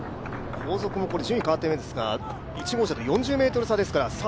後続も順位変わっているんですが、４０ｍ差ですから。